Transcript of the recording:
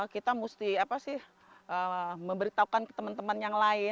kita mesti memberitahukan ke teman teman yang lain